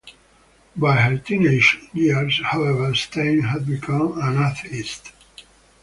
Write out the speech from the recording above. By her teenage years, however, Stein had become an atheist.